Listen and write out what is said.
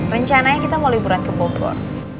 rencananya kita mau liburan ke bogor